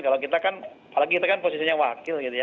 kalau kita kan apalagi kita kan posisinya wakil gitu ya